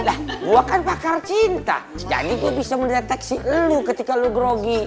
lah gua kan pakar cinta jadi gua bisa mendeteksi lo ketika lo grogi